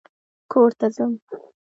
کور ته ځم